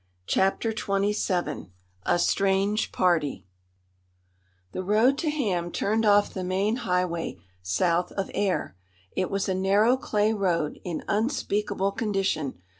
CHAPTER XXVII A STRANGE PARTY The road to Ham turned off the main highway south of Aire. It was a narrow clay road in unspeakable condition.